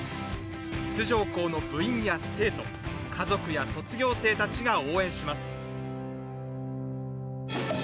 出場校の部員や生徒家族や卒業生たちが応援します。